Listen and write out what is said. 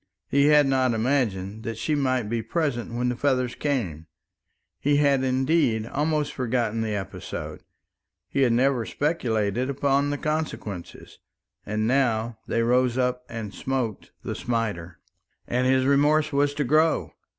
He had not imagined that she might be present when the feathers came. He had indeed almost forgotten the episode, he had never speculated upon the consequences, and now they rose up and smote the smiter. And his remorse was to grow.